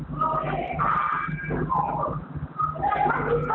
มากงวลนะฮะ